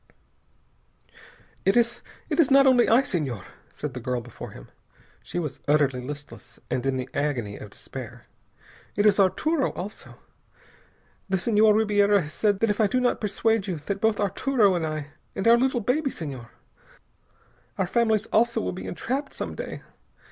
"It is it is not only I, Senhor," said the girl before him. She was utterly listless, and in the agony of despair. "It is Arturo, also. The Senhor Ribiera has said that if I do not persuade you, that both Arturo and I.... And our little baby, Senhor!... Our families also will be entrapped some day.